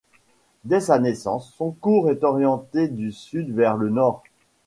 Dès sa naissance, son cours est orienté du sud vers le nord.